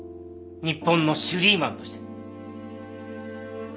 日本のシュリーマンとして。